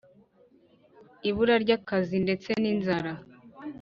ibura ry’ akazi, ndetse n’ inzara.